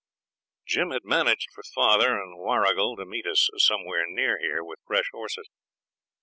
Jim had managed for father and Warrigal to meet us somewhere near here with fresh horses.